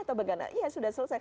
atau bagaimana ya sudah selesai